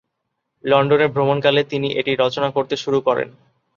লন্ডনে ভ্রমণ কালে তিনি এটি রচনা করতে শুরু করেন।